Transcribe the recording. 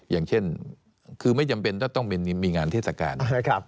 อย่างเช่นคือไม่จำเป็นต้องมีงานเทศกาล